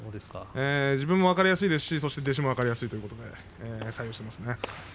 自分も分かりやすいですし弟子も分かりやすいということで採用しています。